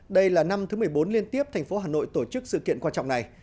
đây là năm thứ một mươi bốn liên tiếp thành phố hà nội tổ chức sự kiện quan trọng này